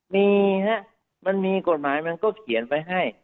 มีฮะมันมีกฎหมายมันก็เขียนไว้ให้